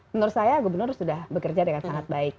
menurut saya gubernur sudah bekerja dengan sangat baik